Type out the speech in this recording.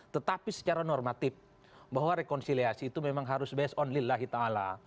tetapi secara normatif bahwa rekonsiliasi itu memang harus based on lillahi ta'ala